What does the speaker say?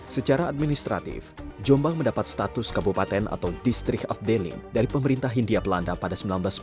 secara administratif jombang mendapat status kabupaten atau distrik afdeling dari pemerintah hindia belanda pada seribu sembilan ratus sepuluh